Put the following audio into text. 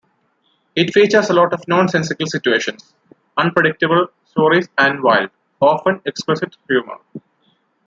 It features a lot of nonsensical situations, unpredictable stories and wild, often explicit humour.